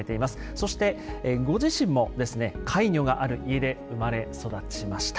そしてご自身もカイニョがある家で生まれ育ちました。